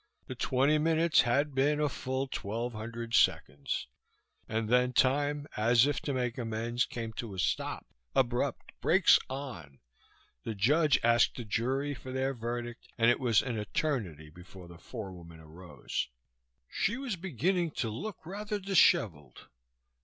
The twenty minutes had been a full twelve hundred seconds. And then time, as if to make amends, came to a stop, abrupt, brakes on. The judge asked the jury for their verdict and it was an eternity before the forewoman arose. She was beginning to look rather disheveled.